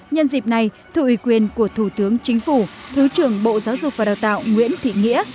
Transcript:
nhân dịp này thượng ủy quyền của thủ tướng chính phủ thứ trưởng bộ giáo dục và đào tạo nguyễn thị nghĩa